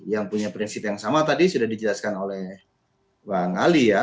yang punya prinsip yang sama tadi sudah dijelaskan oleh bang ali ya